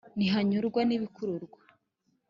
Ntihanyurwa n'ibikururwa